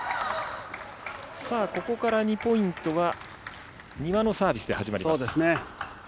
さあ、ここから２ポイントは、丹羽のサービスで始まります。